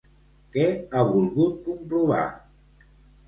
Què ha volgut comprovar?